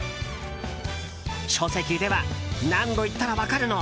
書籍では何度言ったら分かるの？